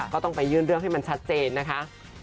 ก็ต้องไปยื่นเรื่องให้มันชัดเจนนะคะ